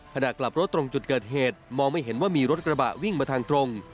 ขณะกลับรถตรงจุดเกิดเหตุมองไม่เห็นว่ามีรถกระบะวิ่งมาทางตรง